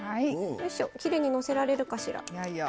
きれいにのせられるかしら。